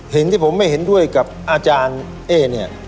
เห็นที่ผมไม่เห็นด้วยกับอาจารย์เอ๊เนี่ย